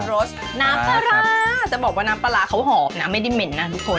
รสน้ำปลาร้าจะบอกว่าน้ำปลาร้าเขาหอมนะไม่ได้เหม็นนะทุกคน